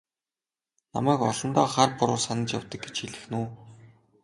Намайг олондоо хар буруу санаж явдаг гэж хэлэх нь үү?